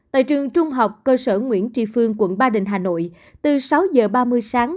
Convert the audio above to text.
tại trường trung học cơ sở nguyễn trì phương quận ba đình hà nội từ sáu giờ ba mươi sáng